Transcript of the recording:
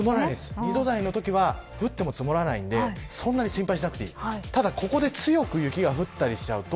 ２度台のときは降っても積もらないので心配しなくていい。